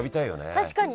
確かに。